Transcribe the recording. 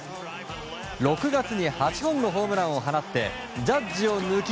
６月に８本のホームランを放ってジャッジを抜き